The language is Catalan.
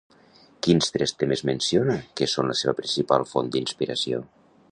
Quins tres temes menciona que són la seva principal font d'inspiració?